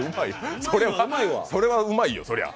それはうまいよ、そりゃ。